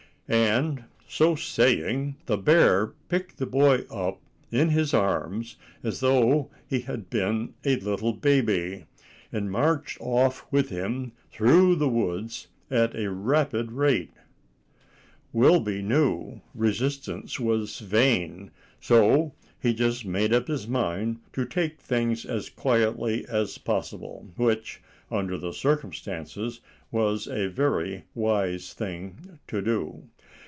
And so saying, the bear picked the big boy up in his arms as though he had been a little baby, and marched off with him through the woods at a rapid rate. Wilby knew resistance was vain, so he just made up his mind to take things as quietly as possible; which, under the circumstances, was a very wise thing to do.